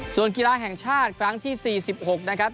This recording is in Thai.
ส่วนกีฬาแห่งชาติครั้งที่๔๖นะครับ